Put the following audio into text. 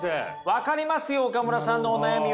分かりますよ岡村さんのお悩みは。